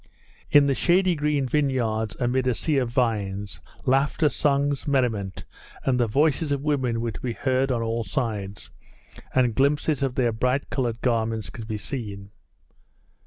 In the shady green vineyards amid a sea of vines, laughter, songs, merriment, and the voices of women were to be heard on all sides, and glimpses of their bright coloured garments could be seen.